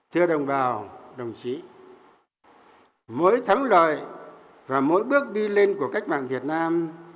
thưa đồng bào đồng chí mỗi thắng lợi và mỗi bước đi lên của cách mạng việt nam